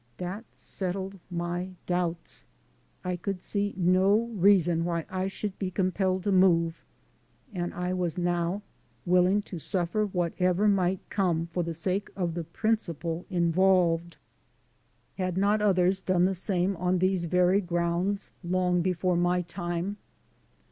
That settled my doubts. I could see no reason why I should be compelled to move, and I was now willing to suffer 264 THE SOUL OF AN IMMIGRANT whatever might come for the sake of the principle involved. Had not others done the same on these very grounds long before my time?